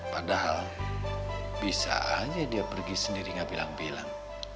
padahal bisa aja dia pergi sendiri nggak bilang bilang